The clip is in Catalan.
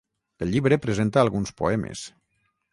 El llibre presenta alguns poemes.